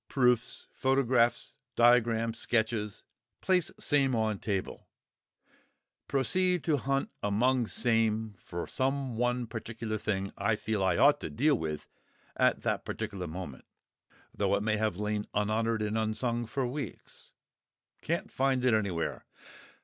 proofs, photographs, diagrams, sketches; place same on table; proceed to hunt among same for some one particular thing I feel I ought to deal with at that particular moment (though it may have lain unhonoured and unsung for weeks); can't find it anywhere.